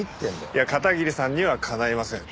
いや片桐さんにはかないません。